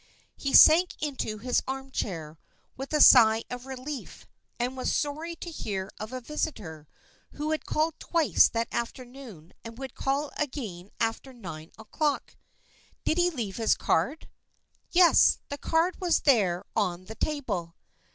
He sank into his armchair, with a sigh of relief, and was sorry to hear of a visitor, who had called twice that afternoon and would call again after nine o'clock. "Did he leave his card?" Yes, the card was there on the table.